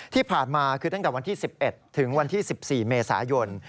ที่ผ่านมาคือตั้งแต่วันที่๑๑ถึงวันที่๑๔เมษายน